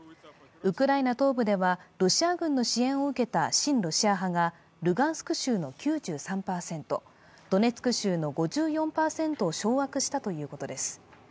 ウクライナ東部ではロシア軍の支援を受けた親ロシアが、ルガンスク州の９３％ドネツク州の５４％を掌握したということです。